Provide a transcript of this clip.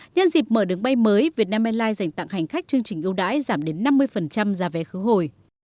nhân dịp mở đường bay mới vietnam airlines dành tặng hành khách chương trình ưu đãi giảm đến năm mươi giá vé khứ hồi